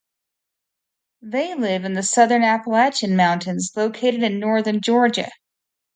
They live in the southern Appalachian Mountains located in northern Georgia.